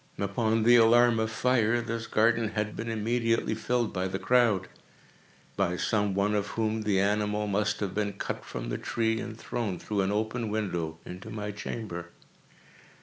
Upon the alarm of fire, this garden had been immediately filled by the crowd—by some one of whom the animal must have been cut from the tree and thrown, through an open window, into my chamber.